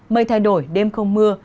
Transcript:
mây thay đổi đêm không mưa